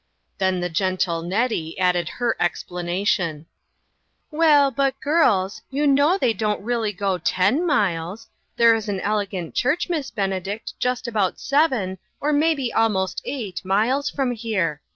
Then the gentle Nettie added her expla nation : "Well, but, girls, you know they don't really go ten miles. There is an elegant church, Miss Benedict, just about seven, or maybe almost eight, miles from here.